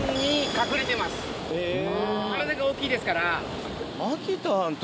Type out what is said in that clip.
体が大きいですから。